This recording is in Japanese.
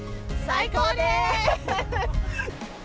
最高です。